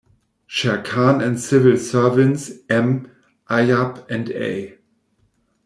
Sher Khan and civil servants M. Ayub and A.